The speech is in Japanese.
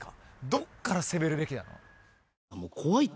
どっから攻めるべきなの？